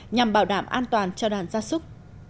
nhằm bảo đảm an toàn cho đàn gia súc